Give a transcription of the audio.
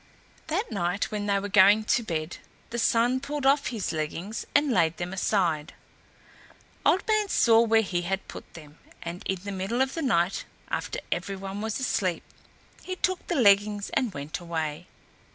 That night when they were going to bed the Sun pulled off his leggings, and laid them aside. Old Man saw where he had put them, and in the middle of the night, after every one was asleep, he took the leggings and went away.